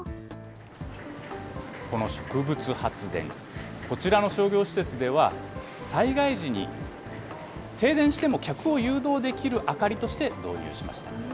この植物発電、こちらの商業施設では、災害時に停電しても客を誘導できる明かりとして導入しました。